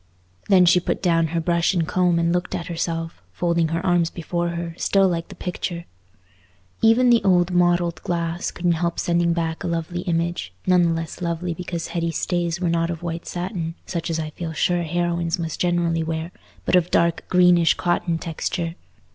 Then she put down her brush and comb and looked at herself, folding her arms before her, still like the picture. Even the old mottled glass couldn't help sending back a lovely image, none the less lovely because Hetty's stays were not of white satin—such as I feel sure heroines must generally wear—but of a dark greenish cotton texture.